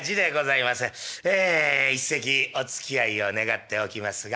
ええ一席おつきあいを願っておきますが。